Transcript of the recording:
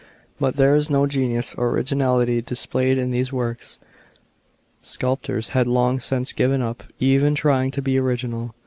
But there is no genius or originality displayed in these works ; sculptors had long since given up even trying to be original.